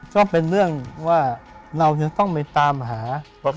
ก็เป็นเรื่องว่าเราจะต้องไปตามหา